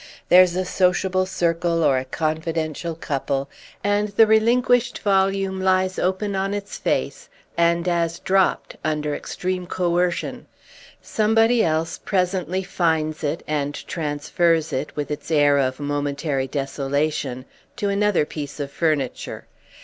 There's a sociable circle or a confidential couple, and the relinquished volume lies open on its face and as dropped under extreme coercion. Somebody else presently finds it and transfers it, with its air of momentary desolation, to another piece of furniture.